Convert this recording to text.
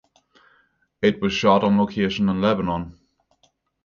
It was shot on location in Lebanon.